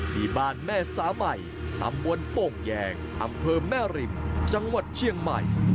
ที่บ้านแม่สาใหม่ตำบลโป่งแยงอำเภอแม่ริมจังหวัดเชียงใหม่